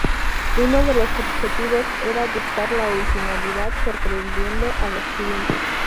Uno de los objetivos era buscar la originalidad, sorprendiendo a los clientes.